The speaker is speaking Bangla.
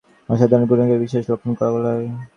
অসাধরণ গুণগুলিকেই বিশেষ লক্ষণ বলা হয়।